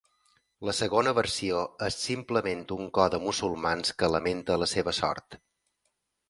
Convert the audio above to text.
La segona versió és simplement un cor de musulmans que lamenta la seva sort.